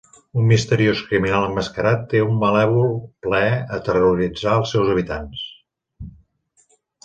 Un misteriós criminal emmascarat té un malèvol plaer a terroritzar els seus habitants.